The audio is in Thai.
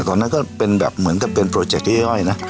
ตอนนั้นก็เป็นแบบเหมือนกับเป็นโปรเจคย่อยนะ